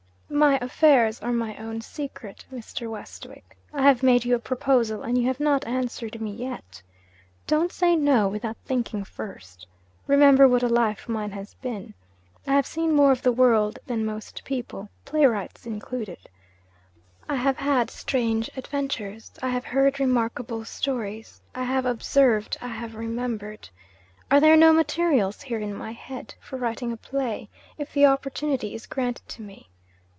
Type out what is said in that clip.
'My affairs are my own secret, Mr. Westwick. I have made you a proposal and you have not answered me yet. Don't say No, without thinking first. Remember what a life mine has been. I have seen more of the world than most people, playwrights included. I have had strange adventures; I have heard remarkable stories; I have observed; I have remembered. Are there no materials, here in my head, for writing a play if the opportunity is granted to me?'